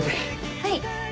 はい。